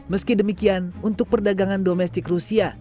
meski demikian untuk perdagangan domestik rusia